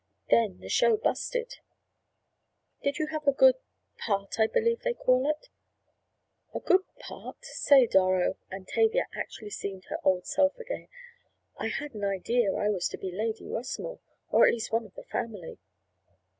Then the show 'busted'!" "Did you have a good—part I believe they call it?" "A good part? Say, Doro," and Tavia actually seemed her old self again. "I had an idea I was to be Lady Rossmore, or at least one of the family."